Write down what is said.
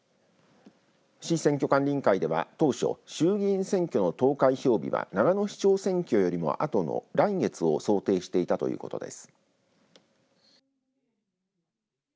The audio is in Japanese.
市選挙管理委員会では当初衆議院選挙の投開票日は長野市長選挙よりもあとの来月を想定していたということです。